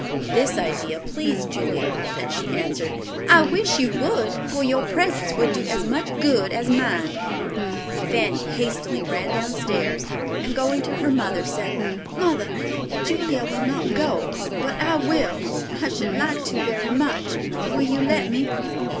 This idea pleased Julia, and she answered, "I wish you would, for your presence will do as much good as mine." Fanny hastily ran down stairs and, going to her mother, said, "Mother, Julia will not go, but I will. I should like to very much. Will you let me?"